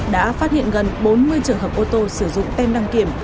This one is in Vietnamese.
đã phát hiện gần bốn mươi trường hợp ô tô sử dụng tem đăng kiểm